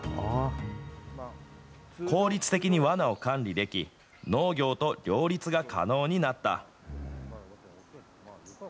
効率的にわなを管理でき、農業と両立が可能になった。